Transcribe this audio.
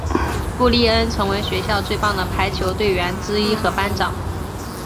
布丽恩成为学校最棒的排球队员之一和班长。